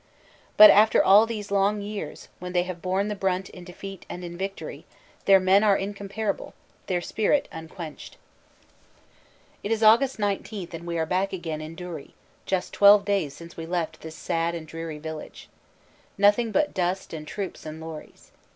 But after all these long years, when they have borne the brunt in defeat and in victory, their men are incom parable, their spirit unquenched. It is Aug. 19 and we are back again in Dury, just twelve days since we left this sad and dreary village. Nothing but dust and troops and lorries.